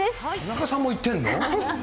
田中さんも行ってるの？